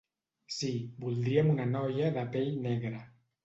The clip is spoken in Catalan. Sí, voldríem una noia de pell negra.